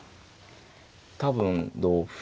多分同歩。